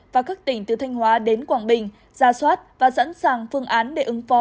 và các tỉnh từ thanh hóa đến quảng bình ra soát và sẵn sàng phương án để ứng phó